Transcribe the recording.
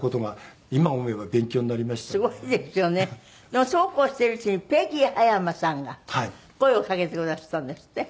でもそうこうしているうちにペギー葉山さんが声をかけてくだすったんですって？